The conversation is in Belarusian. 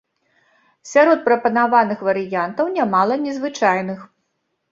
Сярод прапанаваных варыянтаў нямала незвычайных.